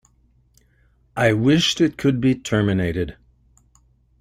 I wished it could be terminated.